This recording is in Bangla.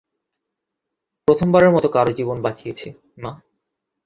প্রথমবারের মতো কারো জীবন বাঁচিয়েছি, মা।